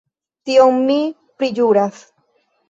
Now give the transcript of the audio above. Tion mi priĵuras.